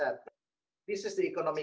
ini adalah krisis ekonomi